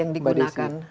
teknologi yang digunakan